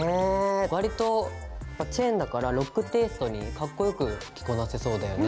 わりとまあチェーンだからロックテイストにかっこよく着こなせそうだよね。